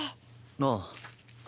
ああ。